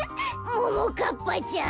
ももかっぱちゃん。